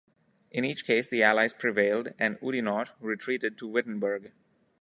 In each case the Allies prevailed and Oudinot retreated to Wittenberg.